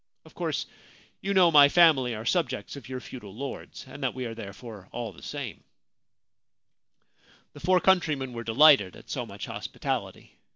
Of course, you know my family are subjects of your feudal lords, and that we are therefore all the same/ The four countrymen were delighted at so much hospitality.